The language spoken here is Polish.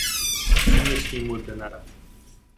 Przynieśli Mu denara